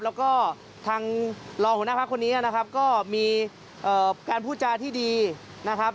แล้วก็ทางรองหัวหน้าพักคนนี้นะครับก็มีการพูดจาที่ดีนะครับ